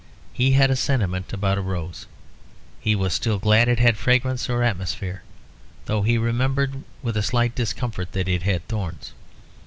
He had a sentiment about a rose: he was still glad it had fragrance or atmosphere; though he remembered with a slight discomfort that it had thorns.